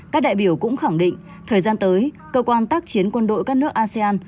các đại biểu cũng khẳng định thời gian tới cơ quan tác chiến quân đội các nước asean